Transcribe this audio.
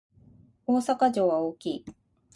大阪城は大きい